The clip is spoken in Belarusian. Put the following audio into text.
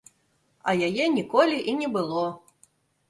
А яе ніколі і не было.